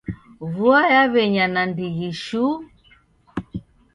Vua yaw'enya nandighi shuu.